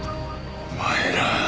お前ら！